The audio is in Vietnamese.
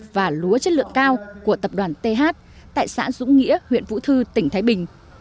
và lúa chất lượng cao của tập đoàn th tại xã dũng nghĩa huyện vũ thư tỉnh thái bình